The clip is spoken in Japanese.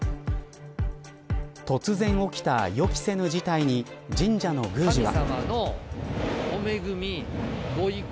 突然起きた予期せぬ事態に神社の宮司は。